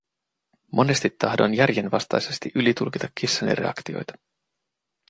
Monesti tahdoin järjenvastaisesti ylitulkita kissani reaktioita.